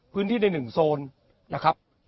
พื้นที่ในหนึ่งโซนนะครับ